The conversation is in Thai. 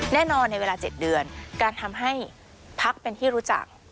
แน่นอนในเวลา๗เดือนการทำให้พักเป็นที่รู้จัก